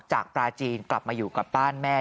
ปลาจีนกลับมาอยู่กับบ้านแม่